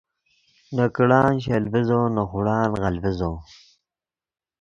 نے کڑان شل ڤیزو نے خوڑان غل ڤیزو